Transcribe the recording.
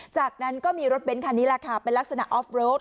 จากนั้นก็มีรถเบ้นคันนี้แหละค่ะเป็นลักษณะออฟโรด